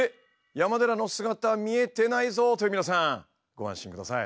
山寺の姿見えてないぞ！という皆さんご安心ください。